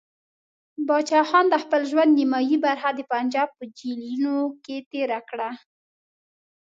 پاچا خان د خپل ژوند نیمایي برخه د پنجاب په جیلونو کې تېره کړه.